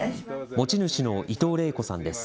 持ち主の伊藤玲子さんです。